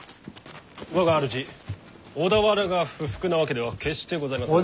我が主小田原が不服なわけでは決してございませぬが。